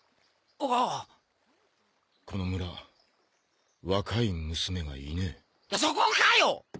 あこの村若い娘がいねえそこかよッ！